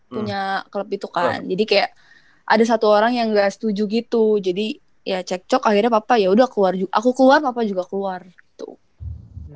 punya klub itu kan jadi kayak ada satu orang yang gak setuju gitu jadi ya cek cok akhirnya papa yaudah aku keluar papa juga keluar gitu